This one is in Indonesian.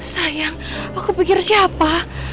sayang aku pikir siapa